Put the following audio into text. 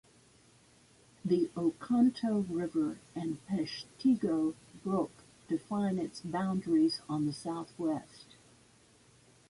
The Oconto River and Peshtigo Brook define its boundaries on the Southwest.